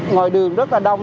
ngoài đường rất là đông